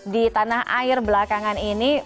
di tanah air belakangan ini